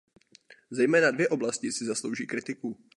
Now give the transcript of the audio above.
Zejména dvě oblasti si zaslouží kritiku.